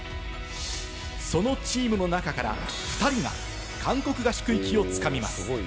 そのチームの中から２人が韓国合宿行きをつかみます。